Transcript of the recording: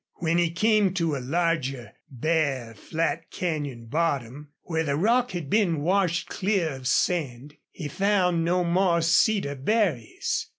When he came to a larger, bare, flat canyon bottom, where the rock had been washed clear of sand, he found no more cedar berries.